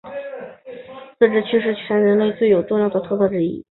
自治会是全人中学很重要的特色之一。